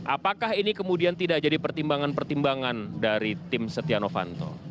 apakah ini kemudian tidak jadi pertimbangan pertimbangan dari tim setia novanto